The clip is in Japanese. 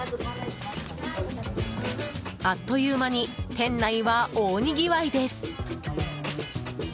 あっという間に店内は大にぎわいです。